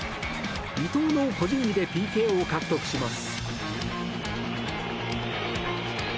伊東の個人技でＰＫを獲得します。